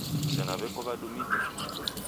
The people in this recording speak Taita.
Sena weko wadumiki